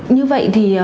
như vậy thì